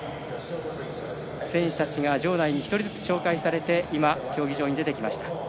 選手たちが場内に紹介されて今、競技場に出てきました。